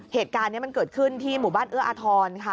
เหตุการณ์นี้มันเกิดขึ้นที่หมู่บ้านเอื้ออาทรค่ะ